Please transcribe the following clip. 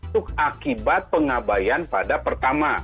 terlibat pengabayan pada pertama